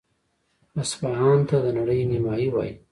اصفهان ته د نړۍ نیمایي وايي.